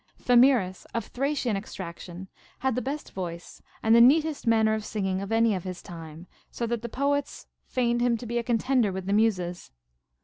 Thamyras, of Thracian extraction, had the best voice and the neatest manner of singing of any of his time ; so that the poets feigned him to be a contender with the Muses.